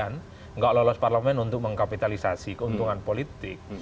nggak lolos parlamen untuk mengkapitalisasi keuntungan politik